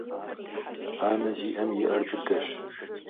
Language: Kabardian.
Анэ зиIэм и Iэр быдэщ.